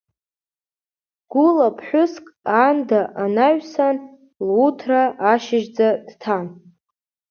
Гәыла ԥҳәыск, аанда анаҩсан, луҭра ашьыжьӡа дҭан.